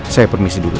saya permisi dulu ya